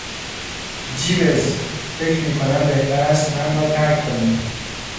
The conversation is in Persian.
«جیوز»، فکر میکنم بهتر است من را ترک کنی.